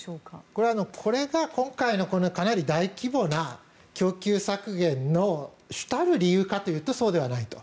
これは、これが今回のかなり大規模な供給削減の主たる理由かというとそうではないと。